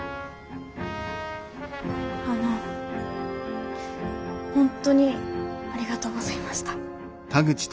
あの本当にありがとうございました。